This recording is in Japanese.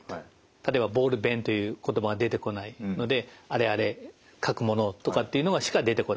例えば「ボールペン」という言葉が出てこないので「あれあれ書くものを」とかっていうのがしか出てこない。